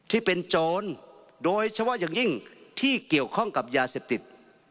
ที่เป็นโจรโดยเฉพาะอย่างยิ่งที่เกี่ยวข้องกับยาเสพติด